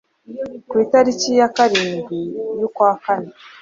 ku itariki ya karindwi y'ukwa kane